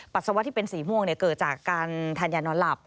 ปัสสาวะที่เป็นสีม่วงเกิดจากการทานยานอนหลับ